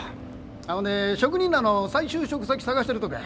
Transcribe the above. あっほんで職人らの再就職先探してるとこや。